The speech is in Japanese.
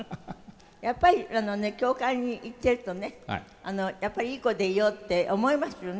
やっぱりあのね教会に行っているとねいい子でいようって思いますよね。